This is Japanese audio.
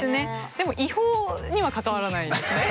でも違法には関わらないですね。